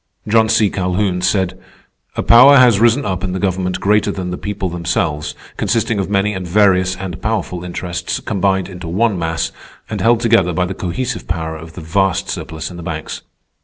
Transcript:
John C. Calhoun said: "_A power has risen up in the government greater than the people themselves, consisting of many and various and powerful interests, combined into one mass, and held together by the cohesive power of the vast surplus in the banks_."